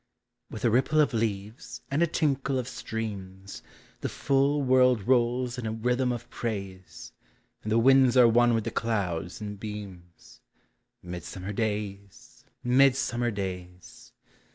With a ripple of leaves and a tinkle of streams The full world rolls in a rhythm of praise. And the winds are one with the clouds and beams — Midsummer days! midsummer days!